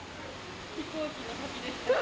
飛行機の旅でした。